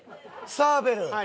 サーベル！